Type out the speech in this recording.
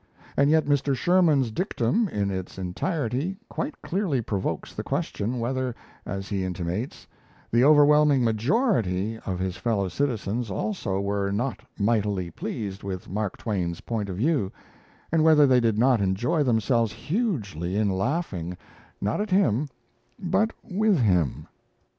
And yet Mr. Sherman's dictum, in its entirety, quite clearly provokes the question whether, as he intimates, the "overwhelming majority" of his fellow citizens also were not mightily pleased with Mark Twain's point of view, and whether they did not enjoy themselves hugely in laughing, not at him, but with him.